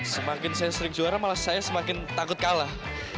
semakin saya sering juara malah saya semakin takut kalah